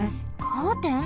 カーテン？